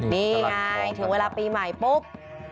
นี่ไงถึงเวลาปีใหม่ปุ๊บ